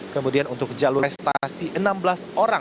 kemudian untuk jalur prestasi enam belas orang